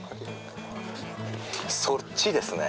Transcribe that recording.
そっちですね。